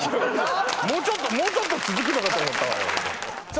もうちょっともうちょっと続くのかと思ったわよさあ